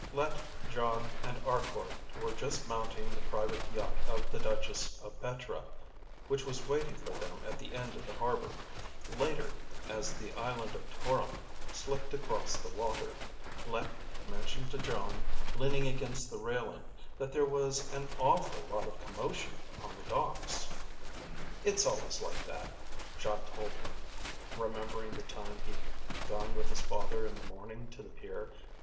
Let, Jon, and Arkor were just mounting the private yacht of the Duchess of Petra which was waiting for them at the end of the harbor. Later, as the island of Toron slipped across the water, Let mentioned to Jon, leaning against the railing, that there was an awful lot of commotion on the docks. "It's always like that," Jon told him, remembering the time he'd gone with his father in the morning to the pier.